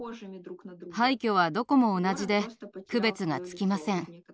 廃虚はどこも同じで区別がつきません。